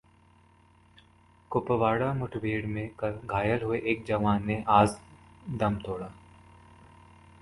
कुपवाड़ा मुठभेड़ में कल घायल हुए एक जवान ने अाज दम तोड़ा